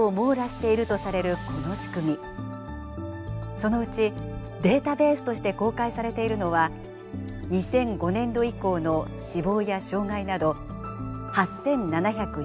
そのうちデータベースとして公開されているのは２００５年度以降の死亡や障害など８，７２９件です。